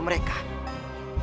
untuk menjaga mereka